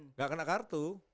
enggak kena kartu